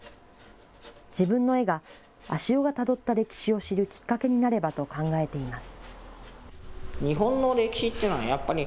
自分の絵が足尾がたどった歴史を知るきっかけになればと考えています。